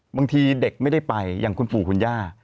บางทีเด็กไม่ได้ไปอย่างคุณปู่คุณย่า